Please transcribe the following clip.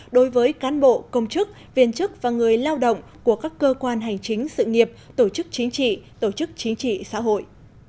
đối với cán bộ công chức viên chức và người lao động của các cơ quan hành chính sự nghiệp tổ chức chính trị tổ chức chính trị xã hội